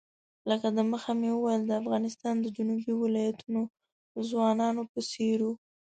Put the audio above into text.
لکه د مخه مې وویل د افغانستان د جنوبي ولایتونو ځوانانو په څېر وو.